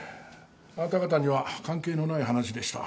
あなた方には関係のない話でした。